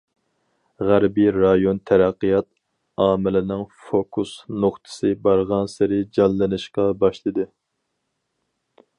غەربىي رايون تەرەققىيات ئامىلىنىڭ فوكۇس نۇقتىسى بارغانسېرى جانلىنىشقا باشلىدى.